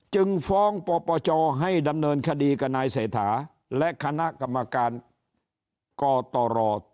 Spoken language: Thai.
จึงฟ้องปปชให้ดำเนินคดีกับนายเศรษฐาและคณะกรรมการกตร